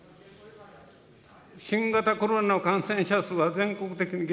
新型コロナ感染者数は全国的に減